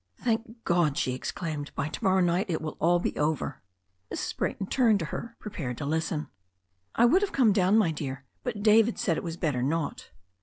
i^^Thank God!" she exclaimed. "By to morrow night it will all be over." Mrs. Brayton turned to her, prepared to listen. "I would have come down, my dear, but David said it was better not."